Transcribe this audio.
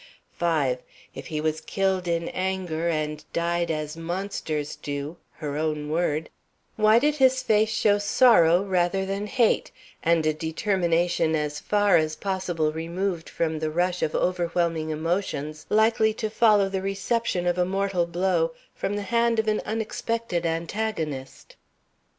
5. If he was killed in anger and died as monsters do (her own word), why did his face show sorrow rather than hate, and a determination as far as possible removed from the rush of over whelming emotions likely to follow the reception of a mortal blow from the hand of an unexpected antagonist?